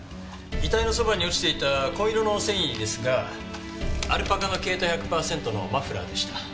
遺体のそばに落ちていた紺色の繊維ですがアルパカの毛糸１００パーセントのマフラーでした。